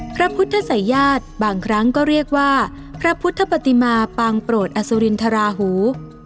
พระพุทธศัยญาติบางครั้งก็เรียกว่าพระพุทธปฏิมาปางโปรดอสุรินทราหู